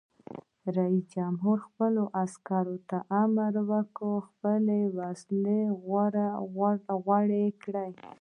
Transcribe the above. رئیس جمهور خپلو عسکرو ته امر وکړ؛ خپلې وسلې غوړې کړئ!